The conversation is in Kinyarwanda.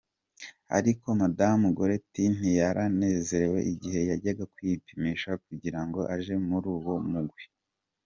Ariko Madamu Goretti ntiyaranezerewe igihe yaja kwipimisha kugira ngo aje muri uwo mugwi.